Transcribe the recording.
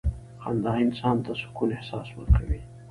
• خندا انسان ته د سکون احساس ورکوي.